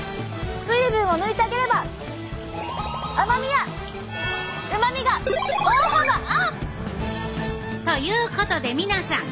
水分を抜いてあげれば甘みやうまみが大幅アップ！ということで皆さん！